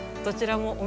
どちらも。